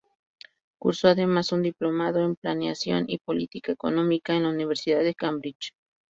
Cursó además un diplomado en Planeación y Política Económica en la Universidad de Cambridge.